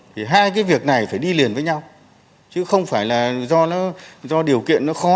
thì hai cái việc này phải đi liền với nhau chứ không phải là do điều kiện nó khó